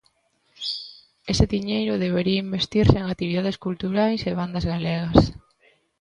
Ese diñeiro debería investirse en actividades culturais e bandas galegas.